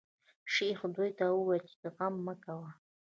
شیخ دوی ته وویل چې غم مه کوی.